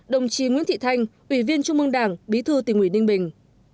ba mươi năm đồng chí nguyễn thị thanh ủy viên trung mương đảng bí thư tỉnh ủy ninh bình